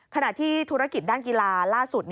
ขณะที่ธุรกิจด้านกีฬาล่าสุด